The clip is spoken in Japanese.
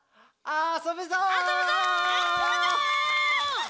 あそぶぞ！